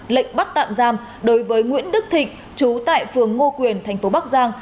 lệnh bắt tạm giam đối với nguyễn đức thịnh chú tại phường ngô quyền tp bắc giang